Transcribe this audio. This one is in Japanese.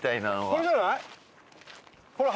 これじゃない？